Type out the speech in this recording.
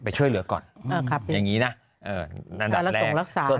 ไปช่วยเหลือก่อนอย่างงี้นะอันดับแรกจะส่งรักษานะ